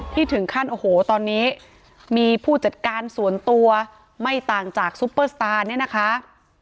ถึงขั้นโอ้โหตอนนี้มีผู้จัดการส่วนตัวไม่ต่างจากซุปเปอร์สตาร์เนี่ยนะคะ